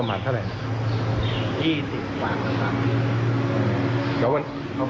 ผ่านไปกี่วันแล้วครับ